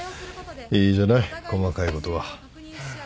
いいじゃない細かいことは。